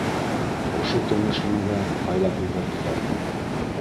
Ошо кәңәшмәгә һайлап ебәрҙеләр.